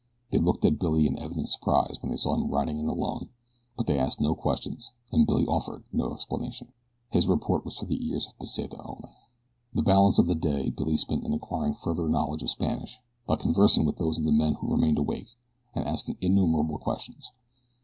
They looked at Billy in evident surprise when they saw him riding in alone; but they asked no questions and Billy offered no explanation his report was for the ears of Pesita only. The balance of the day Billy spent in acquiring further knowledge of Spanish by conversing with those of the men who remained awake, and asking innumerable questions.